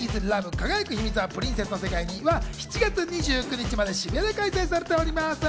輝くヒミツは、プリンセスの世界に』は７月２９日まで渋谷で開催されています。